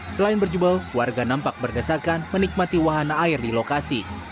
selain berjubel warga nampak berdesakan menikmati wahana air di lokasi